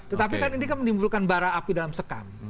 tetapi kan ini kan menimbulkan bara api dalam sekam